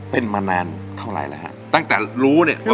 เป็นมานานเท่าไหร่แล้วฮะตั้งแต่รู้เนี่ย